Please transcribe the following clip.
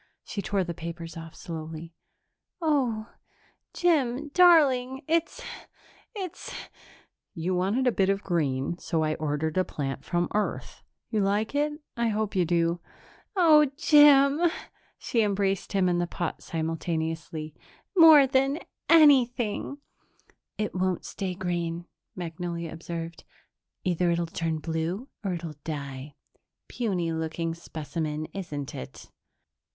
She tore the papers off slowly. "Oh, Jim, darling, it's it's " "You wanted a bit of green, so I ordered a plant from Earth. You like it? I hope you do." "Oh, Jim!" She embraced him and the pot simultaneously. "More than anything!" "It won't stay green," Magnolia observed. "Either it'll turn blue or it'll die. Puny looking specimen, isn't it?"